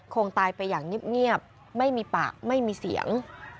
คงตายไปอย่างเงียบไม่มีปากไม่มีเสียง